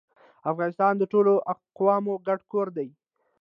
افغانستان د ټولو اقوامو ګډ کور دی